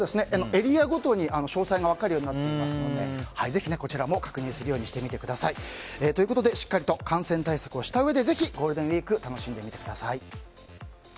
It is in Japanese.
エリアごとに詳細が分かるようになっていますのでぜひ、こちらも確認するようにしてください。ということで、しっかりと感染対策をしたうえでゴールデンウィークを楽しんでみてください。